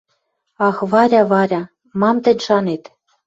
«Ах, Варя, Варя... Мам тӹнь шанет?